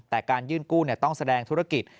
แต่การยื่นกู้ต้องแสดงธุรกิจ